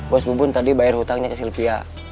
bos bubun tadi bayar hutangnya ke sylvia